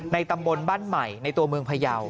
ตำบลบ้านใหม่ในตัวเมืองพยาว